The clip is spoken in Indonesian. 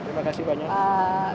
terima kasih banyak